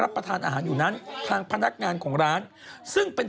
ประทานอาหารอยู่นั้นทางพนักงานของร้านซึ่งเป็น